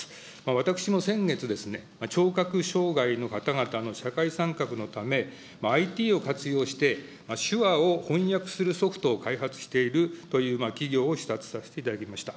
私も先月ですね、聴覚障害の方々の社会参画のため、ＩＴを活用して、手話を翻訳するソフトを開発しているという企業を視察させていただきました。